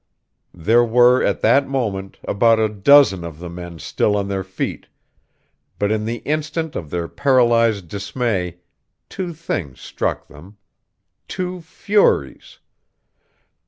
There were, at that moment, about a dozen of the men still on their feet; but in the instant of their paralyzed dismay, two things struck them; two furies